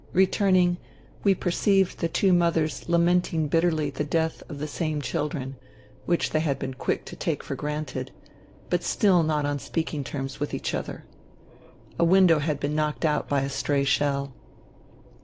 Returning, we perceived the two mothers lamenting bitterly the death of the same children (which they had been quick to take for granted) — but still not on speaking terms with each other. A window had been knocked out by a stray shell.